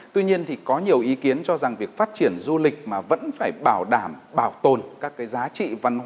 tuy nhiên thì có nhiều ý kiến cho rằng việc phát triển du lịch mà vẫn phải bảo đảm bảo hành du lịch văn hóa là một hướng đi rất tiềm năng đối với ninh bình